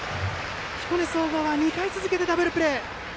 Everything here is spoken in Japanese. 彦根総合は２回続けてダブルプレー。